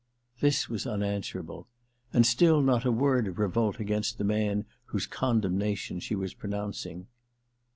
* This was unanswerable — ^and still not a word of revolt against the man whose condemnation she was pronouncing